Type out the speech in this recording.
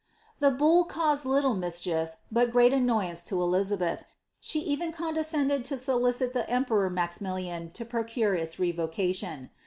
Tbia boH caused liule mischief^ but great annoyance to Eloabeth , she even condescended to solicit the emperor Maximilian to procure its revocation.'